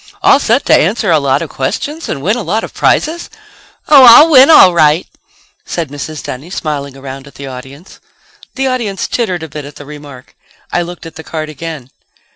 "All set to answer a lot of questions and win a lot of prizes?" "Oh, I'll win all right," said Mrs. Dunny, smiling around at the audience. The audience tittered a bit at the remark. I looked at the card again.